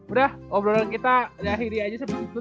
udah obrolan kita di akhirnya aja sempet gitu